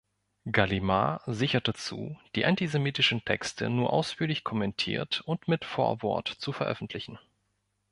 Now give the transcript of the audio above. Gallimard sicherte zu, die antisemitischen Texte nur ausführlich kommentiert und mit Vorwort zu veröffentlichen.